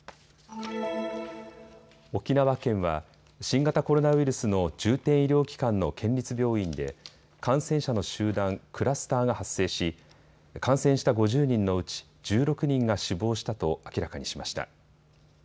沖縄県は新型コロナウイルスの重点医療機関の県立病院で感染者の集団・クラスターが発生し感染した５０人のうち１６人が死亡したと明らかにしました。